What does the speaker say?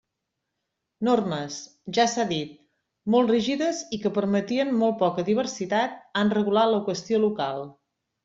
Normes, ja s'ha dit, molt rígides i que permetien molt poca diversitat han regulat la qüestió local.